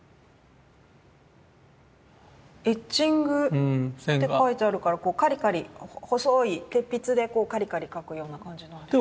エッチングって書いてあるからこうカリカリ細い鉄筆でこうカリカリ描くような感じなんですかね。